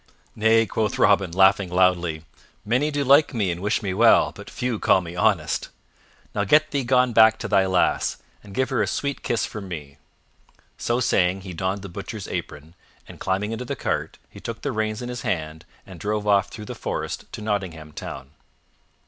"Nay," quoth Robin, laughing loudly, "many do like me and wish me well, but few call me honest. Now get thee gone back to thy lass, and give her a sweet kiss from me." So saying, he donned the Butcher's apron, and, climbing into the cart, he took the reins in his hand and drove off through the forest to Nottingham Town.